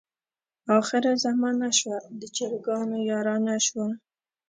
اخره زمانه شوه، د چرګانو یارانه شوه.